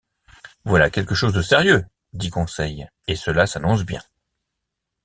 Voilà quelque chose de sérieux, dit Conseil, et cela s’annonce bien.